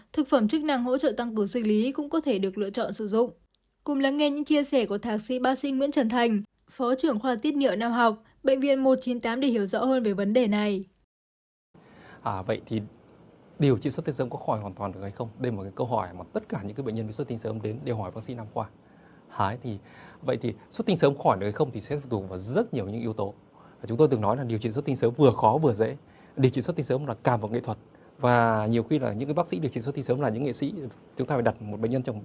thực phẩm chức năng hỗ trợ tăng cường xinh lý cũng có thể được lựa chọn sử dụng